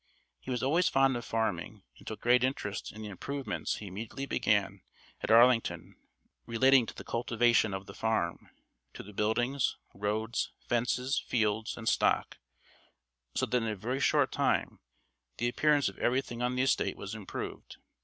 He was always fond of farming, and took great interest in the improvements he immediately began at Arlington relating to the cultivation of the farm, to the buildings, roads, fences, fields, and stock, so that in a very short time the appearance of everything on the estate was improved.